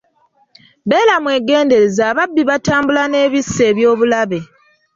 Beera mwegendereze ababbi batambula n'ebissi eby'obulabe.